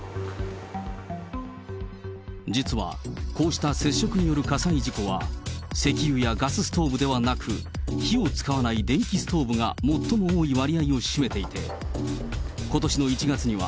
実は、こうした接触による火災事故は、石油やガスストーブではなく、火を使わない電気ストーブが最も多い割合を占めていて、ことしの１月には、